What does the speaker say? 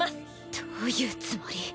どういうつもり？